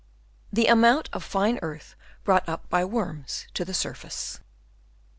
THE AMOUNT OF FIXE EARTH BROUGHT UP BY WORMS TO THE SURFACE.